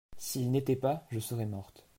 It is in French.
S'il n'était pas, je serais morte.